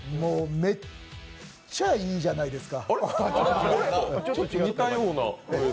めっちゃいいじゃないですか。